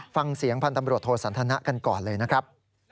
ฟังเสียงพันธ์ตำรวจโทสันทนะกันก่อนเลยนะครับ